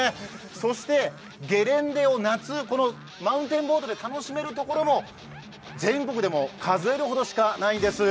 そしてゲレンデを夏、このマウンテンボードで楽しめるところも全国でも数えるほどしかないんです。